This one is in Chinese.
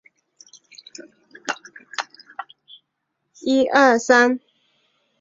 比赛以淘汰赛方式决定优胜者。